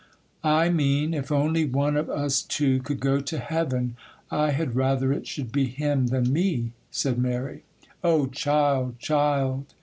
'I mean, if only one of us two could go to heaven, I had rather it should be him than me,' said Mary. 'Oh, child!